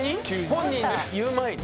本人に言う前に？